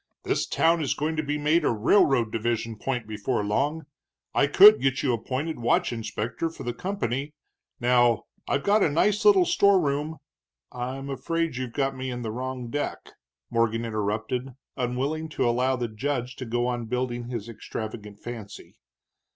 This town is going to be made a railroad division point before long, I could get you appointed watch inspector for the company. Now, I've got a nice little storeroom " "I'm afraid you've got me in the wrong deck," Morgan interrupted, unwilling to allow the judge to go on building his extravagant fancy.